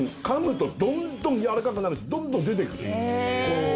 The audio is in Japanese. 噛むとどんどんやわらかくなるしどんどん出てくるへえ